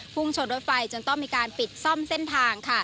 ชนรถไฟจนต้องมีการปิดซ่อมเส้นทาง